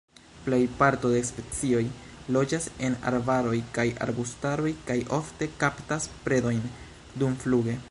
Plej parto de specioj loĝas en arbaroj kaj arbustaroj kaj ofte kaptas predojn dumfluge.